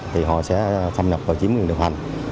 thì họ sẽ thâm nhập vào chính quyền điều hành